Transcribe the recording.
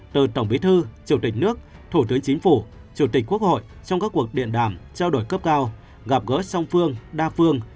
từ tổng bí thư chủ tịch nước thủ tướng chính phủ chủ tịch quốc hội trong các cuộc điện đàm trao đổi cấp cao gặp gỡ song phương đa phương